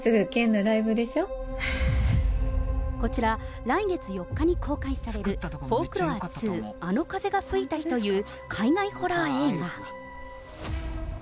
こちら、来月４日に公開される、フォークロア２・あの風が吹いた日という海外ホラー映画。